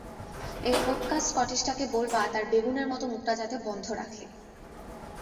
এই হোৎকা স্কটিশ টাকে বলবা তার বেবুনের মত মুখটা যাতে বন্ধ রাখে।